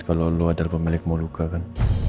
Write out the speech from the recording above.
kalau lo adalah pemilik moluka kan